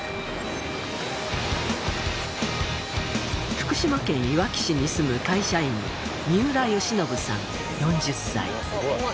福島県いわき市に住む会社員三浦由伸さん４０歳。